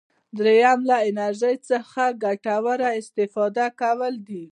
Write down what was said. دریم له انرژي څخه ګټوره استفاده کول دي.